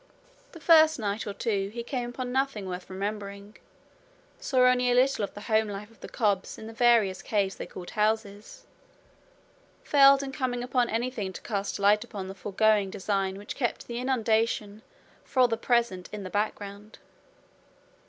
The first night or two he came upon nothing worth remembering; saw only a little of the home life of the cobs in the various caves they called houses; failed in coming upon anything to cast light upon the foregoing design which kept the inundation for the present in the background.